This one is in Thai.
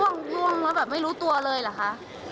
่วงแล้วแบบไม่รู้ตัวเลยเหรอคะ